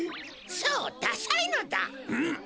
そうダサいのだ！